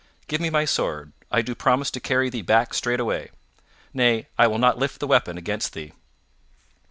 Give me my sword; I do promise to carry thee back straightway. Nay, I will not lift the weapon against thee."